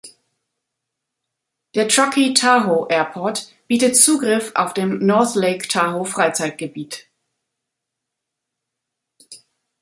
Der Truckee-Tahoe Airport bietet Zugriff auf dem North Lake Tahoe Freizeitgebiet.